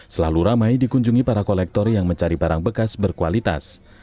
selalu ramai dikunjungi para kolektor yang mencari barang bekas berkualitas